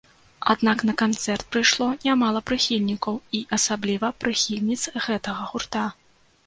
Аднак на канцэрт прыйшло не мала прыхільнікаў і, асабліва, прыхільніц гэтага гурта.